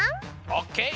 オッケー！